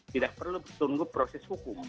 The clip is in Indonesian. tidak perlu tunggu proses hukum